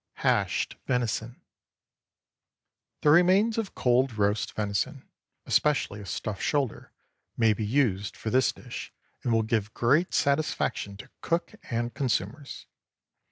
HASHED VENISON. ✠ The remains of cold roast venison—especially a stuffed shoulder—may be used for this dish, and will give great satisfaction to cook and consumers.